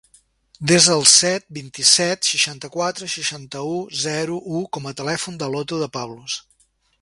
Desa el set, vint-i-set, seixanta-quatre, seixanta-u, zero, u com a telèfon de l'Otto De Pablos.